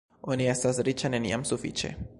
Oni estas riĉa neniam sufiĉe.